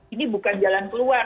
ini bukan jalan keluar